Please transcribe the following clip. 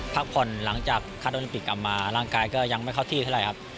พักผ่อนหลังจากคัดโอลิมปิกกลับมาร่างกายก็ยังไม่เข้าที่เท่าไหร่ครับ